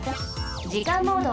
じかんモード。